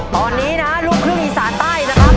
ตอนนี้นะลูกครึ่งอีสานใต้นะครับ